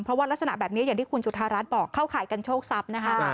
เพราะว่ารักษณะแบบนี้อย่างที่คุณจุธารัฐบอกเข้าข่ายกันโชคทรัพย์นะคะ